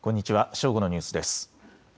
正午のニュースです。